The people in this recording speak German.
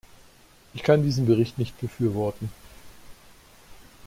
Ich kann diesen Bericht nicht befürworten.